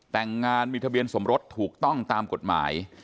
แต่งงานมีทะเบียนสมรสถูกต้องตามกฎหมาย